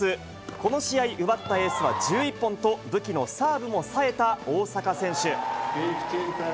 この試合、奪ったエースは１１本と、武器のサーブもさえた大坂選手。